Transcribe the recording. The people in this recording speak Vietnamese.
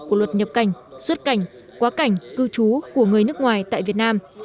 của luật nhập cảnh xuất cảnh quá cảnh cư trú của người nước ngoài tại việt nam